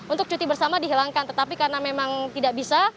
untuk cuti bersama dihilangkan tetapi karena memang tidak bisa